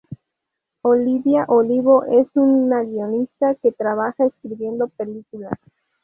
Olivia Olivo es una guionista que trabaja escribiendo películas.